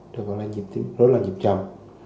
được gọi là dối loạn nhịp chậm